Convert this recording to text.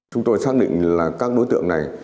chúng tôi xác định là các đối tượng này